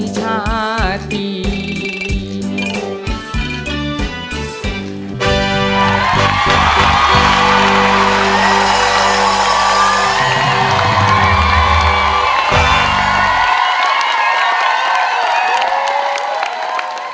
เพื่อนหาเจ้าให้ของก็ไม่ขอร้อง